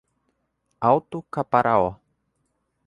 Alto Caparaó